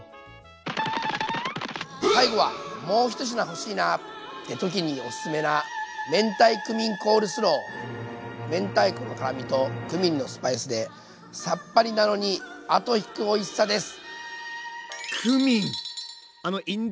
最後はもう１品欲しいなって時におすすめな明太子の辛みとクミンのスパイスでさっぱりなのに後引くおいしさです。